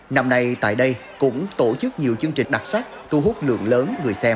năm nay tại đây cũng tổ chức nhiều chương trình đặc sắc thu hút lượng lớn